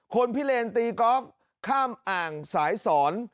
คนพิเรนตีก๊อฟข้ามอ่างสายสร